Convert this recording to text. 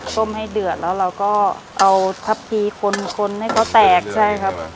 ต้มให้เดือดแล้วเราก็เอาทัพทีคนคนให้เขาแตกใช่ครับ